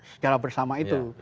secara bersama itu